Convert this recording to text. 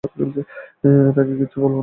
তাকে কিচ্ছু বলবো না।